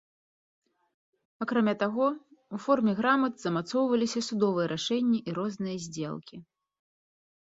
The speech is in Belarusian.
Акрамя таго, у форме грамат замацоўваліся судовыя рашэнні і розныя здзелкі.